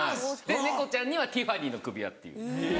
猫ちゃんにはティファニーの首輪っていう。